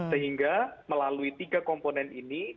sehingga melalui tiga komponennya